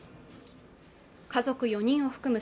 家族４人を含む